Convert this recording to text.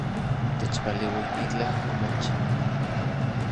Techpaleui, itlaj omochi